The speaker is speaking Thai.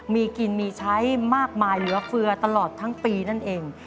มีกินมีใช้มากมายเหลือเฟือตลอดทั้งปีนั่นเอง